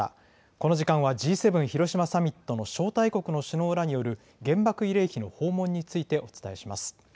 この時間はＧ７広島サミットの招待国の首脳らによる原爆慰霊碑の訪問についてお伝えします。